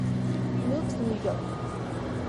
Luke's, New York.